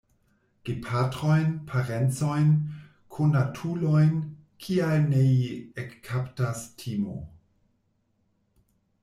Gepatrojn, parencojn, konatulojn, kial nei ekkaptas timo.